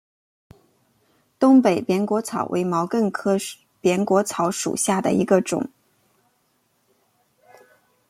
东北扁果草为毛茛科扁果草属下的一个种。